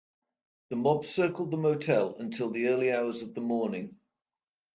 The mob circled the motel until the early hours of the morning.